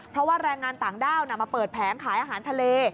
เพราะว่าแรงงานต่างด้าวมาเปิดแผงขายอาหารทะเล